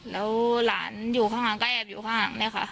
แล้วหลานอยู่ข้างหลังก็แอบอยู่ข้างเนี่ยค่ะ